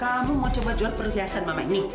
kamu mau coba jual perhiasan mama ini